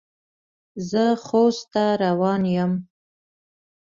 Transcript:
زه خوست ته روان یم.